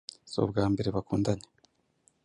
si ubwa mbere bakundanye,